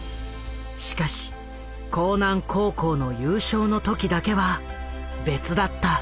しかし興南高校の優勝の時だけは別だった。